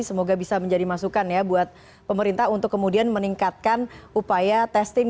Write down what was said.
semoga bisa menjadi masukan ya buat pemerintah untuk kemudian meningkatkan upaya testing